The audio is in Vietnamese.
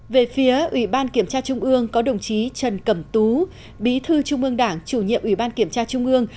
về phía ủy ban kiểm tra trung ương có đồng chí trần cẩm tú bí thư trung ương đảng chủ nhiệm ủy ban kiểm tra trung ương